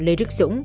lê đức dũng